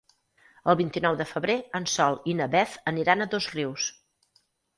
El vint-i-nou de febrer en Sol i na Beth aniran a Dosrius.